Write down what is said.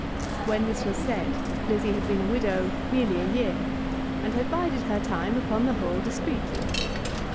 When this was said Lizzie had been a widow nearly a year, and had bided her time upon the whole discreetly.